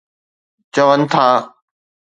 چون ٿا.